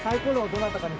どなたに？